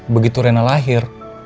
begitu rena lahir